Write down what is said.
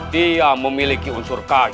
dia memiliki unsur kayu